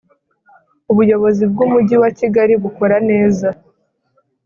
Ubuyobozi bw’ Umujyi wa Kigali bukora nez